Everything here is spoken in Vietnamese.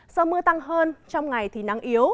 do mưa tăng hơn trong ngày thì nắng yếu